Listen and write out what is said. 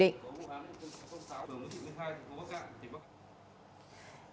chính cục thủ tướng bắc cạn